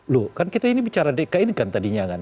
loh kan kita ini bicara dki kan tadinya kan